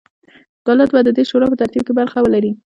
دولت به د دې شورا په ترتیب کې برخه ولري.